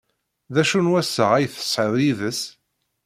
D acu n wassaɣ ay tesɛid yid-s?